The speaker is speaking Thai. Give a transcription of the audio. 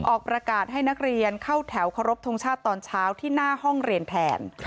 ออกประกาศให้นักเรียนเข้าแถวเคารพทงชาติตอนเช้าที่หน้าห้องเรียนแทน